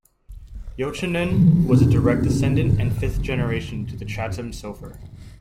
Yochanan was a direct descendent and fifth generation to the Chatam Sofer.